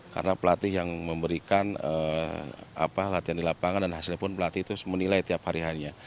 karena pelatih yang memberikan latihan di lapangan dan hasilnya pun pelatih itu menilai tiap hari hanya